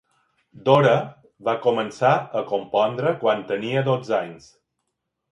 Dora va començar a compondre quan tenia dotze anys.